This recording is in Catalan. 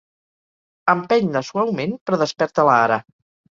Empeny-la suaument però desperta-la ara.